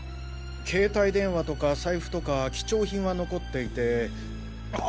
携帯電話とか財布とか貴重品は残っていてああ